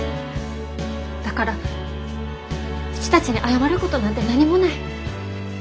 だからうちたちに謝ることなんて何もない。